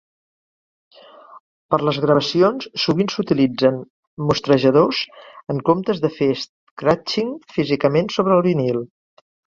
Per a les gravacions, sovint s'utilitzen mostrajadors en comptes de fer "scratching" físicament sobre el vinil.